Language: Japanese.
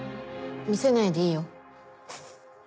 見せないでいいよ